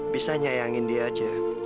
bisa nyayangin dia aja